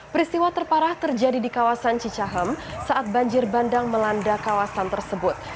peristiwa terparah terjadi di kawasan cicahem saat banjir bandang melanda kawasan tersebut